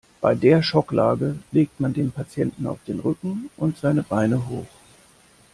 Bei der Schocklage legt man den Patienten auf den Rücken und seine Beine hoch.